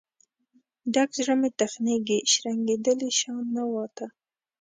ډک زړه مې تخنیږي، شرنګیدلې شان نوا ته